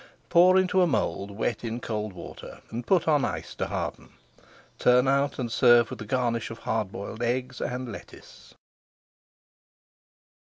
Pour into a mould wet in cold water and put on the ice to harden. Turn out and serve with a garnish of hard boiled eggs and lettuce.